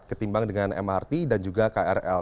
ketimbang dengan mrt dan juga krl